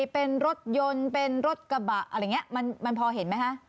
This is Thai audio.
เป็นรถยนต์เป็นรถกระบะอะไรอย่างนี้มันพอเห็นไหมคะ